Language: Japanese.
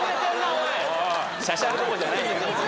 おいしゃしゃるとこじゃないよ